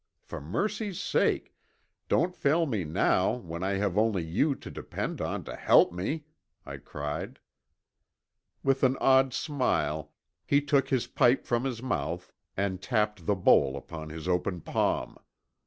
For mercy's sake, don't fail me now when I have only you to depend on to help me!" I cried. With an odd smile he took his pipe from his mouth and tapped the bowl upon his open palm.